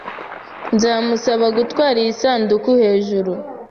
Nzamusaba gutwara iyi sanduku hejuru.